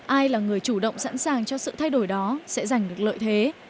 ai là người chủ động sẵn sàng cho sự thay đổi đó sẽ giành được lợi thế